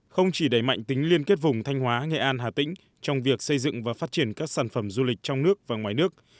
không chỉ đẩy mạnh tính liên kết vùng thanh hóa nghệ an hà tĩnh trong việc xây dựng và phát triển các sản phẩm du lịch trong nước và ngoài nước